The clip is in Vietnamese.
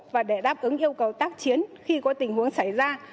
và để đáp ứng yêu cầu tác chiến khi có tình huống xảy ra